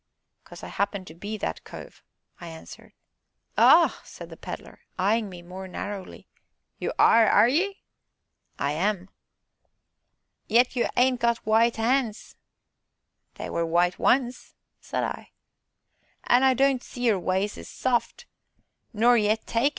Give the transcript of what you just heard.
"Because I happen to be that cove," I answered. "Oh!" said the Pedler, eyeing me more narrowly; "you are, are ye?" "I am!" "Yet you ain't got w'ite 'ands." "They were white once," said I. "An' I don't see as your ways is soft nor yet takin'!"